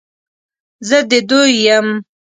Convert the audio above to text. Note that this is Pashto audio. زه د دوی یم،